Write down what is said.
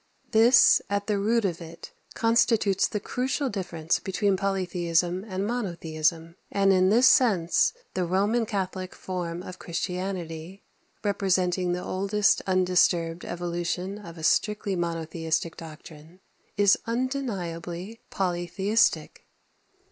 This, at the root of it, constitutes the crucial difference between polytheism and monotheism; and in this sense the Roman Catholic form of Christianity, representing the oldest undisturbed evolution of a strictly monotheistic doctrine, is undeniably polytheistic.